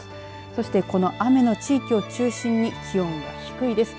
そしてこの雨の地域を中心に気温が低いです。